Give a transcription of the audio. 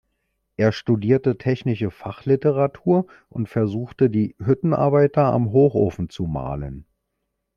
Er studierte technische Fachliteratur und versuchte die Hüttenarbeiter am Hochofen zu malen.